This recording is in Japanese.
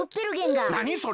なにそれ？